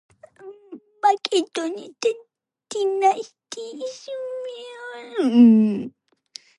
მაკედონელთა დინასტიის მეორე მმართველი.